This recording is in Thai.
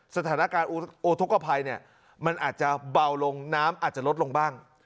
สถานการณ์อุทธกภัยเนี่ยมันอาจจะเบาลงน้ำอาจจะลดลงบ้าง